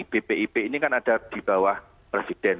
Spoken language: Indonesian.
bpip ini kan ada di bawah presiden